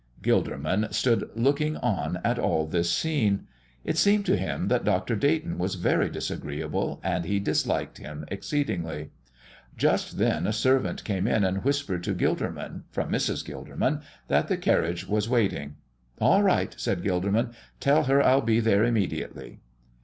Gilderman stood looking on at all this scene. It seemed to him that Dr. Dayton was very disagreeable, and he disliked him exceedingly. Just then a servant came in and whispered to Gilderman, from Mrs. Gilderman, that the carriage was waiting. "All right," said Gilderman, "tell her I'll be there immediately."